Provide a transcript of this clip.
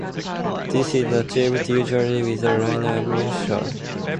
This is achieved, usually, with a linear amplifier.